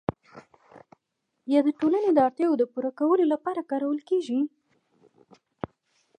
یا د ټولنې د اړتیاوو د پوره کولو لپاره کارول کیږي؟